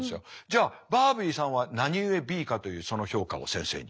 じゃあバービーさんは何故Ｂかというその評価を先生に。